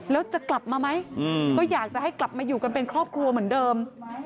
แล้วจะกลับมาไหมก็อยากจะให้กลับมาอยู่กันเป็นครอบครัวเหมือนเดิม